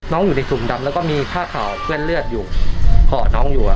น้องอยู่ในถุงดำแล้วก็มีค่าข่าวเครื่องเลือดอยู่ห่อน้องอยู่อ่ะ